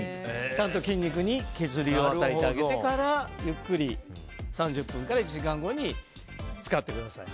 ちゃんと筋肉に血流を与えてあげてからゆっくり、３０分から１時間後につかってください。